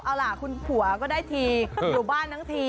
เอาล่ะคุณผัวก็ได้ทีอยู่บ้านทั้งที